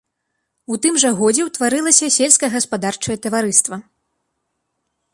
У тым жа годзе ўтварылася сельскагаспадарчае таварыства.